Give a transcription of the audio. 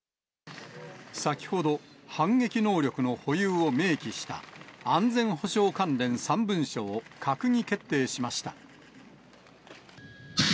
先ほど、反撃能力の保有を明記した安全保障関連３文書を閣議決定しました。